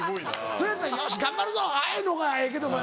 それやったら「よし頑張るぞえい！」のがええけどもやな。